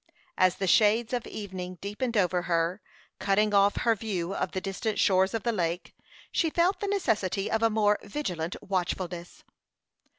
As the shades of evening deepened over her, cutting off her view of the distant shores of the lake, she felt the necessity of a more vigilant watchfulness.